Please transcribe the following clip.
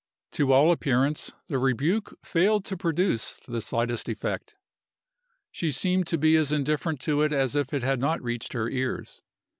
To all appearance the rebuke failed to produce the slightest effect. She seemed to be as indifferent to it as if it had not reached her ears.